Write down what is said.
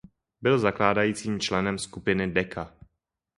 Byl zakládajícím členem skupiny Decca.